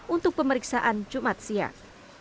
untuk pemeriksaan jumat siang